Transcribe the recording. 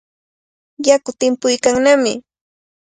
Yaku timpuykannami.